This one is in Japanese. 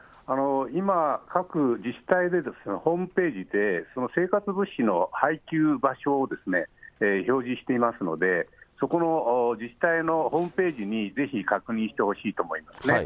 今、各自治体で、ホームページで、生活物資の配給場所を表示していますので、そこの自治体のホームページにぜひ確認してほしいと思います。